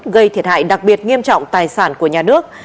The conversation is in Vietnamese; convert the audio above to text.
gây thiệt hại đặc biệt nghiêm trọng tài sản của nhà nước